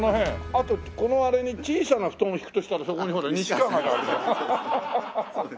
あとこのあれに小さな布団敷くとしたらそこにほら西川があるから。